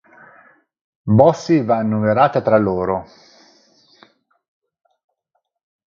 Bossi va annoverata tra loro.